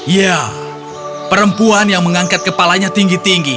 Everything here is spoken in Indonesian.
ya perempuan yang mengangkat kepalanya tinggi tinggi